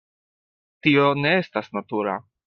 Tio ne estas natura.